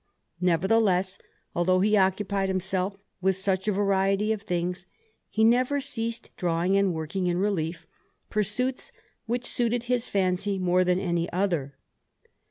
Nevertheless, although he occupied himself with such a variety of things, he never ceased drawing and working in relief, pursuits which suited his fancy more than any other.